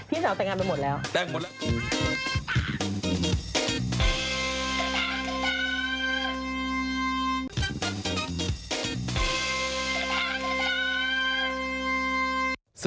พี่สาวแต่งงานไปหมดแล้วแต่งหมดแล้ว